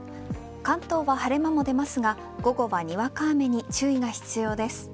関東は晴れ間も出ますが午後はにわか雨に注意が必要です。